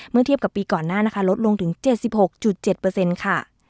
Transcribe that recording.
เมื่อเทียบกับปีก่อนหน้านะคะลดลงถึงเจ็ดสิบหกจุดเจ็ดเปอร์เซ็นต์ค่ะ